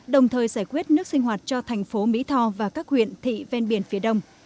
đồng thời giải quyết nước sinh hoạt cho thành phố mỹ tho và các huyện thị ven biển phía đông